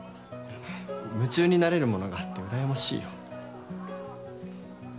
夢中になれるものがあってうらやましいよ